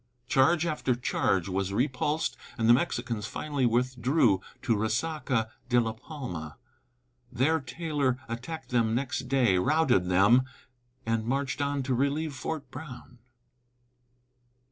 Charge after charge was repulsed, and the Mexicans finally withdrew to Resaca de la Palma. There Taylor attacked them next day, routed them, and marched on to relieve Fort Brown.